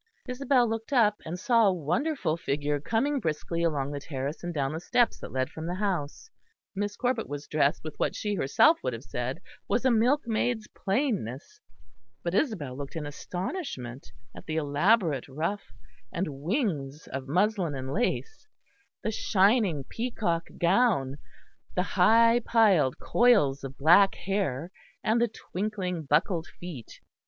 Isabel looked up, and saw a wonderful figure coming briskly along the terrace and down the steps that led from the house. Miss Corbet was dressed with what she herself would have said was a milkmaid's plainness; but Isabel looked in astonishment at the elaborate ruff and wings of muslin and lace, the shining peacock gown, the high piled coils of black hair, and the twinkling buckled feet.